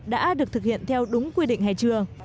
đã được thực hiện theo đúng quy định hay chưa